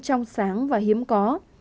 trong sáng và hiếm có